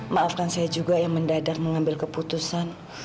maafkan saya juga yang mendadak mengambil keputusan